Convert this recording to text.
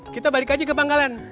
kita balik aja ke pangkalan